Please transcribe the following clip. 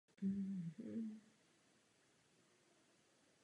Tyto tři podmínky byly rychle splněny.